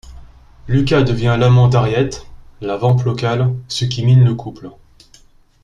Lucas devient l’amant d'Harriet, la vamp locale, ce qui mine le couple.